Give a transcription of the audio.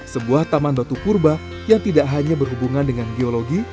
sebuah taman batu purba yang tidak hanya berhubungan dengan geologi